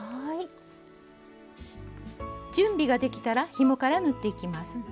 準備ができたらひもから縫っていきます。